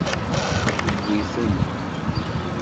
Tewwi-ten.